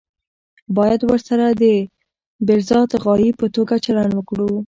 باید ورسره د بالذات غایې په توګه چلند وکړو.